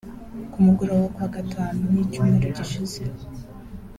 Ku mugoroba wo ku wa Gatanu w’icyumweru gishize